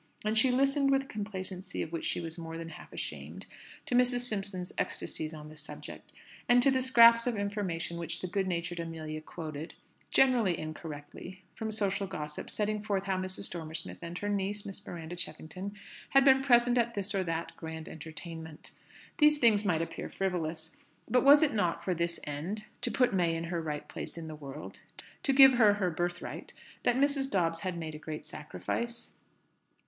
And she listened, with a complacency of which she was more than half ashamed, to Mrs. Simpson's ecstasies on the subject; and to the scraps of information which the good natured Amelia quoted generally incorrectly from social gossip setting forth how Mrs. Dormer Smith and her niece, Miss Miranda Cheffington, had been present at this or that grand entertainment. These things might appear frivolous; but was it not for this end, to put May in her right place in the world, to give her her birthright, that Mrs. Dobbs had made a great sacrifice?